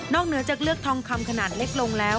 เหนือจากเลือกทองคำขนาดเล็กลงแล้ว